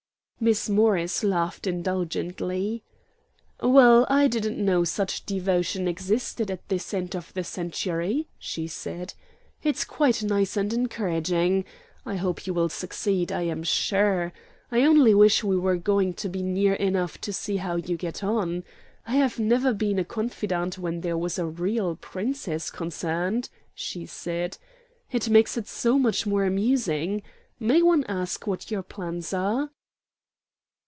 Miss Morris laughed indulgently. "Well, I didn't know such devotion existed at this end of the century," she said; "it's quite nice and encouraging. I hope you will succeed, I am sure. I only wish we were going to be near enough to see how you get on. I have never been a confidante when there was a real Princess concerned," she said; "it makes it so much more amusing. May one ask what your plans are?"